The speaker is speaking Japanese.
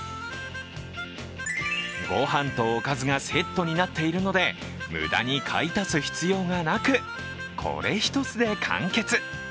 ご飯とおかずがセットになっているので、無駄に買い足す必要がなくこれ１つで完結。